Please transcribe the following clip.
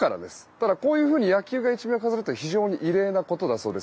ただ、こういうふうに野球を１面を飾るのは非常に異例なことだそうです。